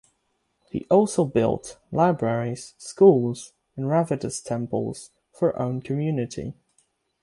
He also built libraries schools and Ravidas temples for own community.